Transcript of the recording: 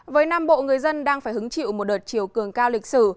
với nam bộ người dân đang phải hứng chịu một đợt chiều cường cao lịch sử